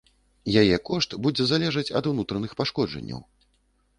Яе кошт будзе залежаць ад унутраных пашкоджанняў.